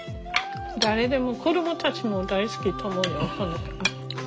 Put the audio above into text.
誰でも子どもたちも大好きと思うよ。